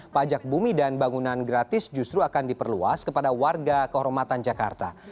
pajak bumi dan bangunan gratis justru akan diperluas kepada warga kehormatan jakarta